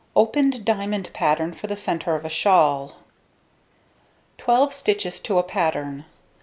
Open Diamond Pattern for the Centre of a Shawl. Twelve stitches to a pattern.